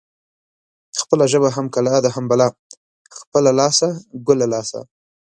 خپله ژبه هم کلا ده هم بلا. خپله لاسه ګله لاسه.